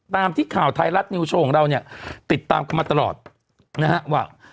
ตามที่ข่าวไทยรัฐนิวโชว์ของเราเนี่ยติดตามกันมาตลอดนะฮะว่า